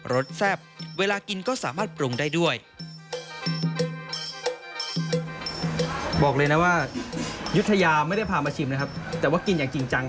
สแซ่บเวลากินก็สามารถปรุงได้ด้วย